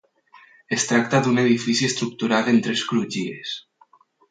Es tracta d'un edifici estructurat en tres crugies.